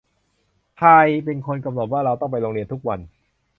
ใครเป็นคนกำหนดว่าเราต้องไปโรงเรียนทุกวัน